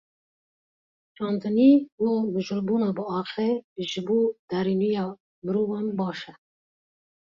Çandinî û mijûlbûna bi axê ji bo derûniya mirovan baş e.